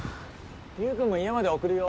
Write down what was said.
悠君も家まで送るよ。